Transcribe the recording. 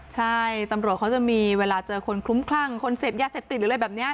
ใช่ตำรวจเขาจะมีเวลาเจอคนคลุ้มคลั่งคนเสพยาเสพติดหรืออะไรแบบนี้